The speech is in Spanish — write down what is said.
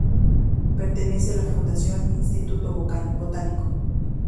Pertenece a la Fundación Instituto Botánico.